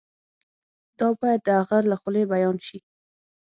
دا باید د هغه له خولې بیان شي.